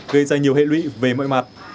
gây ra nhiều hệ lụy về mọi mặt